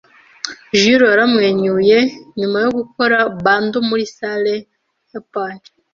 Jiro yaramwenyuye nyuma yo gukora bundle muri salle ya pachinko